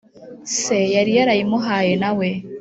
se yariyarayimuhaye nawe